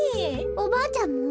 おばあちゃんも？